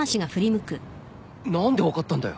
何で分かったんだよ？